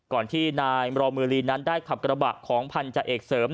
ก่อนที่นายรอมือลีนั้นได้ขับกระบะของพันธาเอกเสริม